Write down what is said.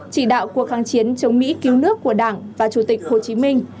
chỉ đạo cuộc kháng chiến chống mỹ cứu nước của đảng và chủ tịch hồ chí minh